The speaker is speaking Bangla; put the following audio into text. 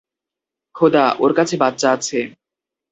খোদা, ওর কাছে বাচ্চা আছে।